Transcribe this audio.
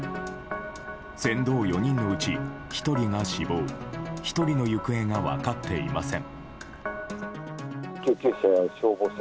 船頭４人のうち、１人が死亡１人の行方が分かっていません。